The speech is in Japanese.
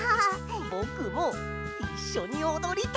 ぼくもいっしょにおどりたい！